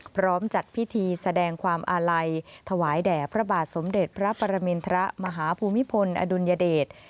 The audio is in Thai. พร้อมจัดพิธีแสดงความอาลัยถวายแด่พระบาทสมเด็จพระปรมินทรมาฮภูมิพลอดุลยเดช